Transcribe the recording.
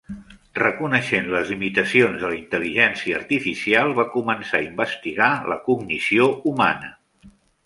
Reconeixent les limitacions de la intel·ligència artificial, va començar a investigar la cognició humana.